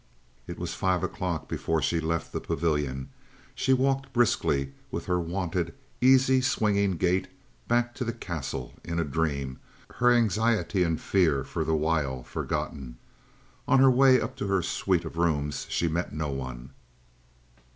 It was five o'clock before she left the Pavilion. She walked briskly, with her wonted, easy, swinging gait, back to the Castle, in a dream, her anxiety and fear for the while forgotten. On her way up to her suite of rooms she met no one.